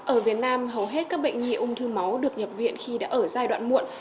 ở việt nam hầu hết các bệnh nhi ung thư máu được nhập viện khi đã ở giai đoạn muộn